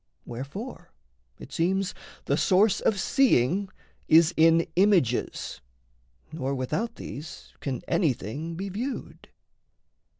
Wherefore it seems The source of seeing is in images, Nor without these can anything be viewed.